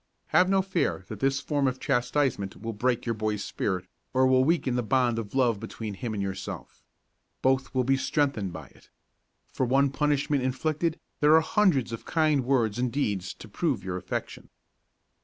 Have no fear that this form of chastisement will break your boy's spirit or will weaken the bond of love between him and yourself. Both will be strengthened by it. For one punishment inflicted, there are hundreds of kind words and deeds to prove your affection.